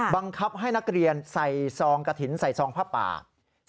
บังคับให้นักเรียนใส่ซองกระถิ่นใส่ซองผ้าปาก